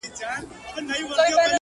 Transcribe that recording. هغه به اور له خپلو سترګو پرېولي ـ